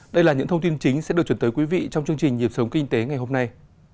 đây là những thông tin chính sẽ được chuyển tới quý vị trong chương trình nhịp sống kinh tế ngày hôm nay